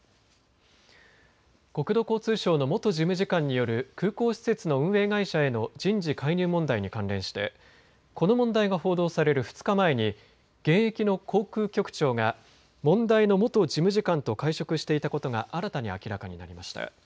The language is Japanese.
国土交通省の元事務次官による空港施設の運営会社への人事介入問題に関連してこの問題が報道される２日前に現役の航空局長が問題の元事務次官と会食していたことが新たに明らかになりました。